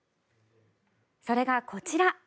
それがこちら。